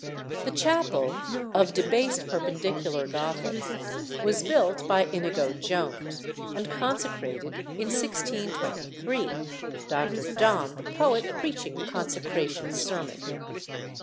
The chapel, of debased Perpendicular Gothic, was built by Inigo Jones, and consecrated in 1623, Dr. Donne the poet preaching the consecration sermon.